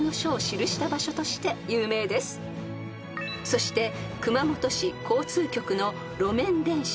［そして熊本市交通局の路面電車］